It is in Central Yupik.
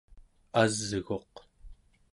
asguq